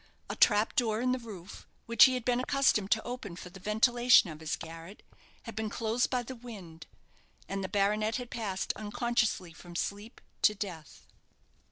A trap door in the roof, which he had been accustomed to open for the ventilation of his garret, had been closed by the wind, and the baronet had passed unconsciously from sleep to death.